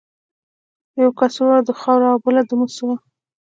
یوه کڅوړه د خاورو او بله د مسو وه.